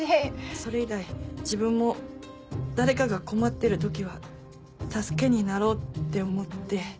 それ以来自分も誰かが困ってる時は助けになろうって思って。